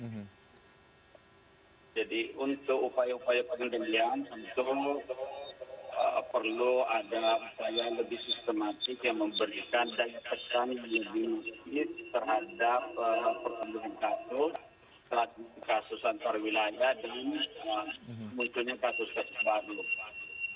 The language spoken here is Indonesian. jadi itu adalah satu kasus antar wilayah dan kemudian kasus kesempatan